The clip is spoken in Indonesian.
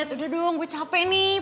udah dong gue capek nih